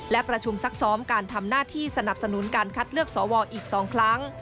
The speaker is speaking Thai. และประชุมซักซ้อมการทำหน้าที่สนับสนุนการคัดเลือกสวอีก๒ครั้ง